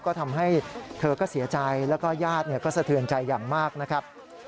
ก็ทำให้เธอก็เสียใจแล้วก็ญาติก็สะเทือนใจอย่างมากนะครับ